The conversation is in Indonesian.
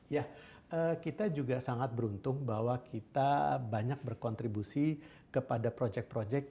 ya kita juga sangat beruntung bahwa kita banyak berkontribusi kepada proyek proyek